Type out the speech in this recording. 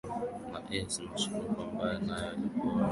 na essa musharaf ambae nae alikuwa ni waziri wa zamani